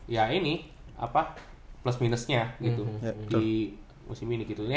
ya ini plus minusnya gitu